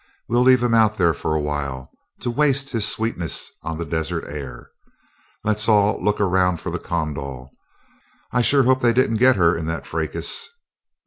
We'll leave him out there for a while, to waste his sweetness on the desert air. Let's all look around for the Kondal. I sure hope they didn't get her in that fracas."